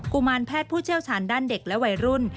ุมารแพทย์ผู้เชี่ยวชาญด้านเด็กและวัยรุ่น